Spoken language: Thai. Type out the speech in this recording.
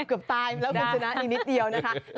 เกือบตายแล้วคุณชนะอีกนิดเดียวนะคะ